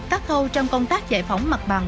tắt khâu trong công tác giải phóng mặt bằng